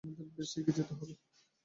আমাদের ব্যস এগিয়ে যেতে হবে।